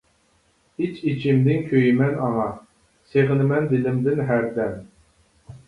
ئىچ-ئىچىمدىن كۆيىمەن ئاڭا، سېغىنىمەن دىلىمدىن ھەر دەم.